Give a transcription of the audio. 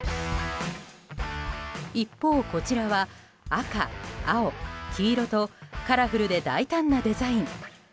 一方こちらは赤、青、黄色とカラフルで大胆なデザイン。